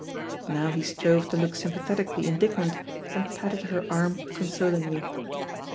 Now he strove to look sympathetically indignant, and patted her arm consolingly.